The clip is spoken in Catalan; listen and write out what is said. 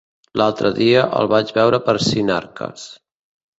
L'altre dia el vaig veure per Sinarques.